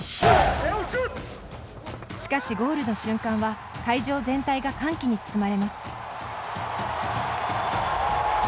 しかし、ゴールの瞬間は会場全体が歓喜に包まれます。